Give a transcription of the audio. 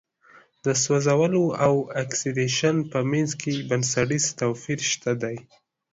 د سوځولو او اکسیدیشن په منځ کې بنسټیز توپیر شته دی.